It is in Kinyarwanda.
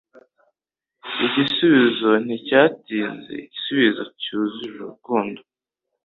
Igisubizo nticyatinze, igisubizo cyuzuye urukundo.